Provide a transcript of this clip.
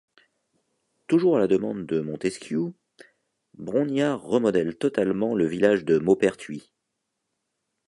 Toujours à la demande de Montesquiou, Brongniart remodèle totalement le village de Mauperthuis.